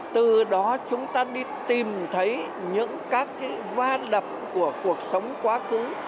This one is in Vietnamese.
từ đó chúng ta đi tìm thấy những các cái va đập của cuộc sống quá khứ